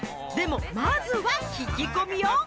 でもまずは聞き込みよ。